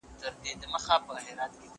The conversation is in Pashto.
زه کتابونه ليکلي دي؟